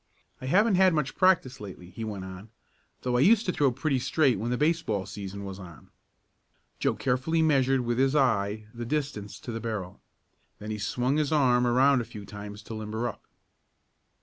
"I haven't had much practice lately," he went on, "though I used to throw pretty straight when the baseball season was on." Joe carefully measured with his eye the distance to the barrel. Then he swung his arm around a few times to "limber up."